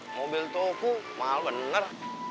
mobil toko mahal bener